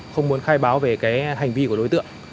không muốn khai báo về cái hành vi của đối tượng